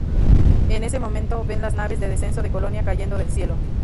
En ese momento, ven las naves de descenso de Colonia cayendo del cielo.